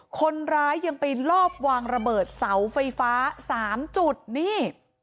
คนร้ายยังไปลอบวางระเบิดเสาไฟฟ้า๓จุดนี่